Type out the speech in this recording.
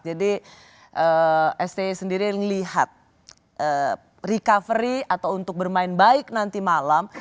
jadi sti sendiri melihat recovery atau untuk bermain baik nanti malam